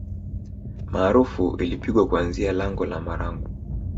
Maarufu ilipigwa kuanzia lango la marangu